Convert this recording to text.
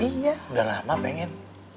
iya udah lama pengen